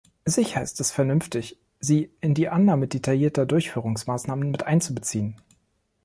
Sicher ist es vernünftig, sie in die Annahme detaillierter Durchführungsmaßnahmen miteinzubeziehen.